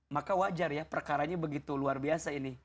maka wajar ya perkaranya begitu luar biasa ini